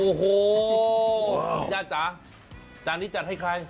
โอ้โหย่าจ๋าจานนี้จัดให้ใคร